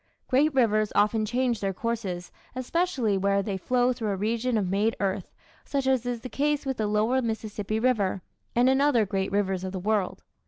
Great rivers often change their courses, especially where they flow through a region of made earth, such as is the case with the lower Mississippi River, and in other great rivers of the world.